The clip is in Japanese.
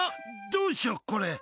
どうしよう、これ。